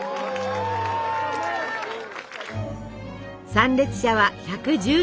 参列者は１１０人。